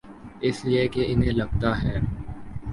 اس لئے کہ انہیں لگتا ہے۔